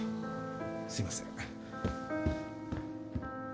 すいません。